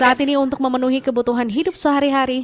saat ini untuk memenuhi kebutuhan hidup sehari hari